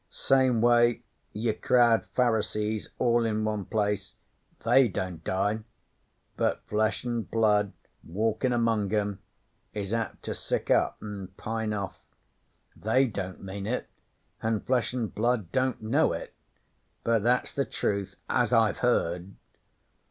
Same way, you crowd Pharisees all in one place they don't die, but Flesh an' Blood walkin' among 'em is apt to sick up an' pine off. They don't mean it, an' Flesh an' Blood don't know it, but that's the truth as I've heard.